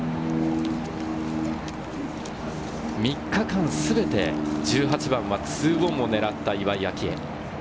３日間全て、１８番は２オンを狙った岩井明愛。